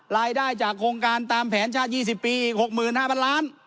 รายได้จากโครงการตามแผนชาติยี่สิบปีอีกหกหมื่นห้าพันล้าน